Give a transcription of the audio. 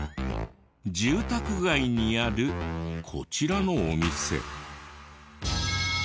住宅街にあるこちらのお店。